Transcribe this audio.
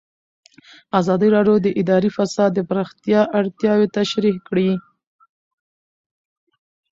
ازادي راډیو د اداري فساد د پراختیا اړتیاوې تشریح کړي.